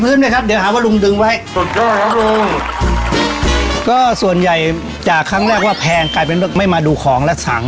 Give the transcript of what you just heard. โรจมันโยชดมากบอกได้คำเดียวสั้นว่าสุดจริงสุดจริง